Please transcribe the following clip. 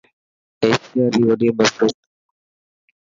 ايشياري وڏي مسجد.